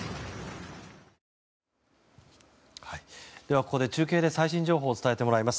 ここで中継で最新情報を伝えてもらいます。